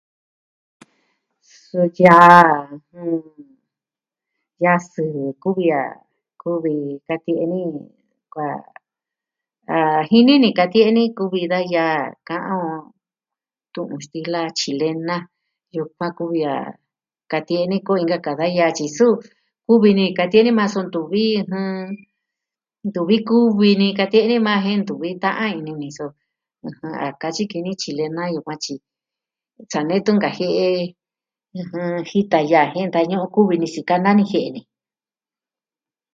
Suu yaa, yaa sɨɨ kuvi a, kuvi katie'e ni kua ah... jini ni katie'e ni kuvi da yaa ka'an o tu'un stila tyilena. Yukuan kuvi a katie'e ni kuvi inka ka da yaa tyi suu, kuvi ni katie'e ni maa ja suu ntuvi, jɨn... ntuvi kuvi ni katie'e ni maa ja jen ntuvi ta'an ini ni so. A katyi ki ni tyilena yukuan tyi. Sa nee tun nkajie'e, jita yaa jen ntañu'un kuvi ni sikana ni jie'e ni.